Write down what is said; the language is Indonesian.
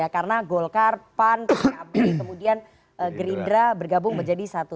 karena golkar pan kb kemudian gerindra bergabung menjadi satu